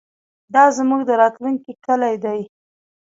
دا زموږ د راتلونکي کلي ده.